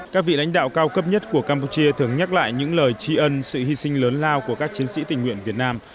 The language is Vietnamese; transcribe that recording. các vị lãnh đạo cao cấp nhất của campuchia thường nhắc lại những lời tri ân sự hy sinh lớn lao của các chiến sĩ tình nguyện việt nam